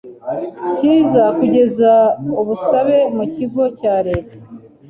kiza kugeza ubusabe mu Kigo cya Leta